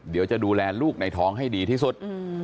เดี๋ยวจะดูแลลูกในท้องให้ดีที่สุด